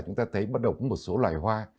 chúng ta thấy bắt đầu có một số loài hoa